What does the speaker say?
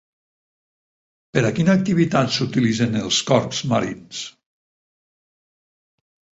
Per a quina activitat s'utilitzen els corbs marins?